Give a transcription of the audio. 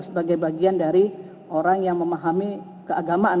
sebagai bagian dari orang yang memahami keagamaan